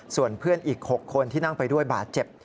ส่วนเพื่อนอีก๖คนที่นั่งไปด้วยบาดเจ็บ